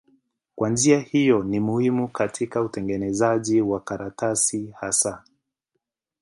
Kwa njia hiyo ni muhimu katika utengenezaji wa karatasi hasa.